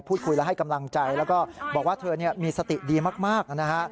พูดคุยและให้กำลังใจแล้วก็บอกว่าเธอมีสติดีมากนะฮะ